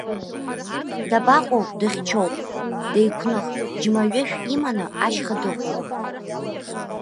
Дабаҟоу, дыхьчоуп, деиқәных, џьма ҩышә иманы ашьха дыҟоуп!